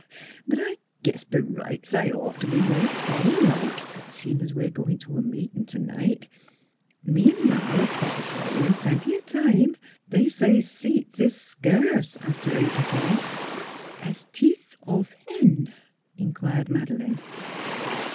... Uh huh !... But I guess b' rights I'd ought to be more solemn like, seein' we're goin' t' meetin' t'night. Me an' Ma '11 call f'r you in plenty o' time. They say seats is skurse after eight o'clock." "As teeth of hen?" inquired Madeleine.